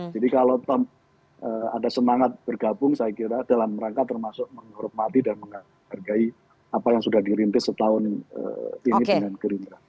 jadi kalau ada semangat bergabung saya kira dalam rangka termasuk menghormati dan menghargai apa yang sudah dirintis setahun ini dengan gerindra